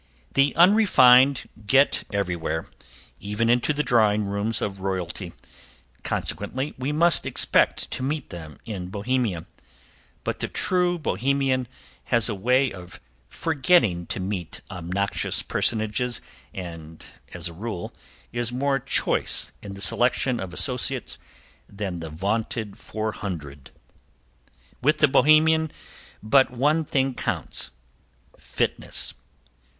The unrefined get everywhere, even into the drawing rooms of royalty, consequently we must expect to meet them in Bohemia. But the true Bohemian has a way of forgetting to meet obnoxious personages and, as a rule, is more choice in the selection of associates than the vaunted "400." With the Bohemian but one thing counts: Fitness.